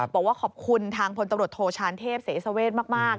บอกว่าขอบคุณทางพลตำรวจโทชานเทพเสสเวทมาก